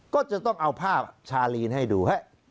ก็จะต้องเอาภาพชาลีนให้ดู